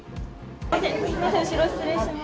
すみません、後ろ失礼します。